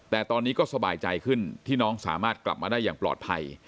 แต่ตอนนี้ก็สบายใจขึ้นที่น้องสามารถกลับมาได้อย่างปลอดภัย